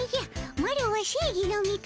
マロは正ぎの味方